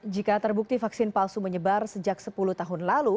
jika terbukti vaksin palsu menyebar sejak sepuluh tahun lalu